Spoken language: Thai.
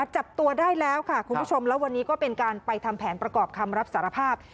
จับตัวได้แล้วค่ะคุณผู้ชมแล้ววันนี้ก็เป็นการไปทำแผนประกอบคำรับสารภาพ